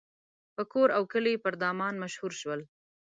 په کور او کلي پر دامان مشهور شول.